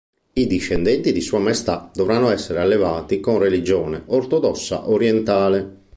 I discendenti di Sua Maestà dovranno essere allevati con religione Ortodossa orientale".